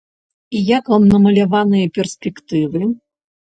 І як вам намаляваныя перспектывы?